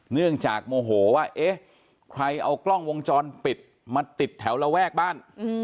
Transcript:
เนื่องจากโมโหว่าเอ๊ะใครเอากล้องวงจรปิดมาติดแถวระแวกบ้าน